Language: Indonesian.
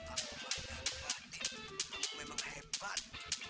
aku banyak batik aku memang hebat